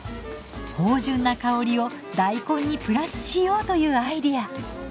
豊潤な香りを大根にプラスしようというアイデア。